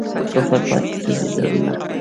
کفر پاتی کیږي ظلم نه